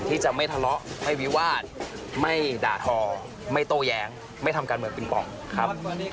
ที่จะไม่ทะเลาะไม่วิวาสไม่ด่าทอไม่โต้แย้งไม่ทำการเมืองปิงปองครับ